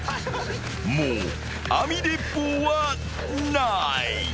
［もう網鉄砲はない］